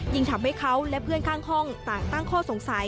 ทำให้เขาและเพื่อนข้างห้องต่างตั้งข้อสงสัย